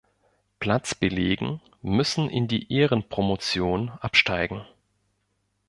Platz belegen, müssen in die Ehrenpromotion absteigen.